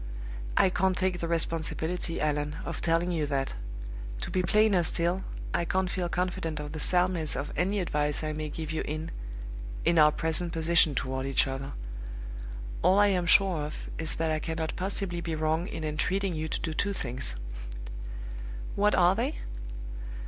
"I can't take the responsibility, Allan, of telling you that. To be plainer still, I can't feel confident of the soundness of any advice I may give you in in our present position toward each other. All I am sure of is that I cannot possibly be wrong in entreating you to do two things." "What are they?"